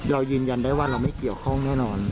เรายืนยันได้ว่าเราไม่เกี่ยวข้องแน่นอน